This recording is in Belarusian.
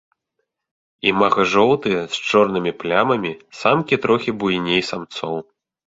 Імага жоўтыя з чорнымі плямамі, самкі трохі буйней самцоў.